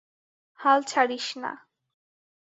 হাল ছাড়িস না।